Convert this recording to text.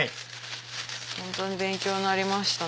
ホントに勉強になりました